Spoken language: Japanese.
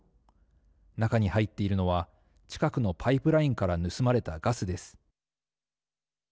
中に入っているのは近くのパイプラインから盗まれたガスです。